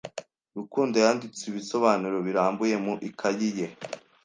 Rukundo yanditse ibisobanuro birambuye mu ikaye ye.